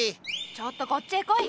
ちょっとこっちへ来い。